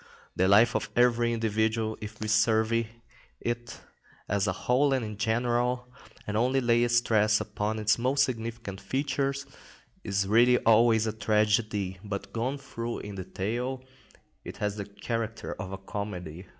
The life of every individual, if we survey it as a whole and in general, and only lay stress upon its most significant features, is really always a tragedy, but gone through in detail, it has the character of a comedy.